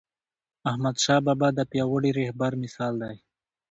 احمدشاه بابا د پیاوړي رهبر مثال دی..